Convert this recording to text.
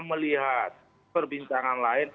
melihat perbincangan lain